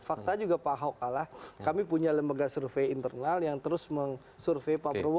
fakta juga pak ahok kalah kami punya lembaga survei internal yang terus meng survey pak prabowo